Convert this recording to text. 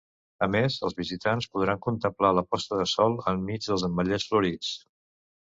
A més, els visitants podran contemplar la posta de sol enmig dels ametllers florits.